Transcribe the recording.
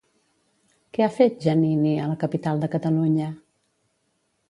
Què ha fet Giannini a la capital de Catalunya?